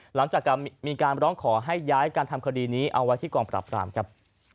หลังจากมีการร้องขอให้ย้ายการทำคดีนี้เอาไว้ที่กองปราบรามครับ